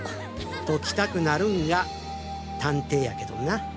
解きたくなるんが探偵やけどな。